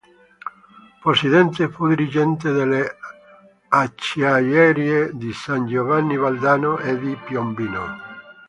Possidente, fu dirigente delle acciaierie di San Giovanni Valdarno e di Piombino.